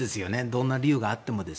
どんな理由があっても。